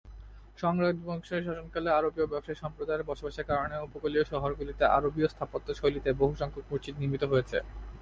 Song রাজবংশের শাসনকালে আরবীয় ব্যবসায়ী সম্প্রদায়ের বসবাসের কারণে উপকূলীয় শহরগুলিতে আরবীয় স্থাপত্য শৈলীতে বহু সংখ্যক মসজিদ নির্মিত হয়েছে।